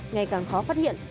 ngày càng khó phát hiện